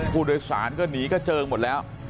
ผู้โดยสารก็หนีกระเจิงหมดแล้ว